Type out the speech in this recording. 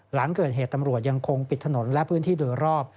หลังเกิดเหตุตำรวจยังคงปิดถนนและพื้นที่โดยรอบ